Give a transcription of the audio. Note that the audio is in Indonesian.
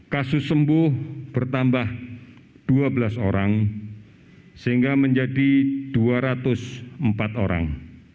kasus sembuh bertambah dua belas orang sehingga menjadi dua ratus empat orang